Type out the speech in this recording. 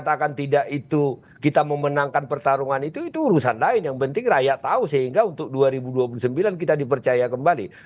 katakan tidak itu kita memenangkan pertarungan itu itu urusan lain yang penting rakyat tahu sehingga untuk dua ribu dua puluh sembilan kita dipercaya kembali